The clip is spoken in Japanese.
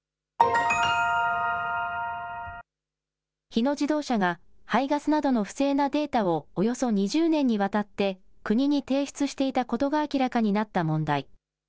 日野自動車が、排ガスなどの不正なデータをおよそ２０年にわたって国に提出していたことが明らかになった問題。